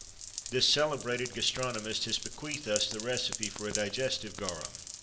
This celebrated gastronomist has bequeathed us the recipe for a digestive garum.